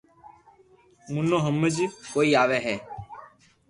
منو ھمج ڪوئي آوي